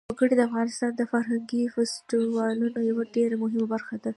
وګړي د افغانستان د فرهنګي فستیوالونو یوه ډېره مهمه برخه ده.